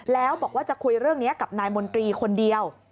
แล้วบอกว่าจะคุยเรื่องนี้กับนายมนตรีคนเดียว